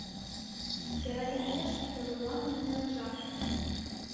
Яра кеҥеж — йорлылан эн неле жап.